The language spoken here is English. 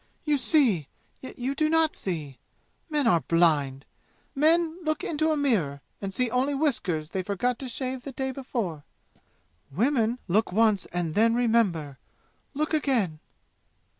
"You see yet you do not see! Men are blind! Men look into a mirror, and see only whiskers they forgot to shave the day before. Women look once and then remember! Look again!"